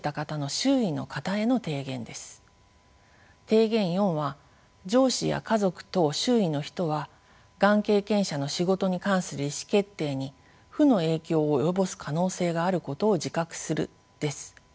提言４は上司や家族等周囲の人はがん経験者の仕事に関する意思決定に負の影響を及ぼす可能性があることを自覚するです。